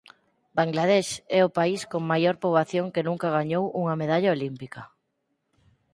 Bangladesh é o país con maior poboación que nunca gañou unha medalla olímpica.